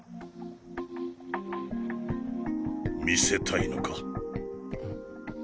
見せたいのか？